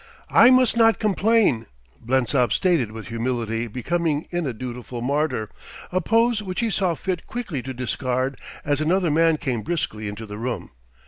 "I must not complain," Blensop stated with humility becoming in a dutiful martyr, a pose which he saw fit quickly to discard as another man came briskly into the room.